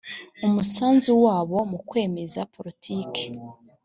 umusanzu wabo mu kwemeza politiki